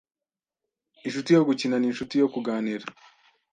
Inshuti yo gukina, ni inshuti yo kuganira.